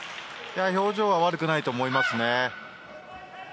表情は悪くないと思いますね。